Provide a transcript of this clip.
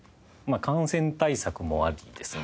感染対策もありですね